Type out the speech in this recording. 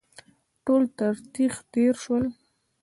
ټول تر تېغ تېر شول.